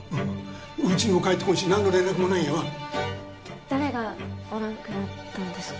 うちにも帰ってこんし何の連絡もないんやわ誰がおらんくなったんですか？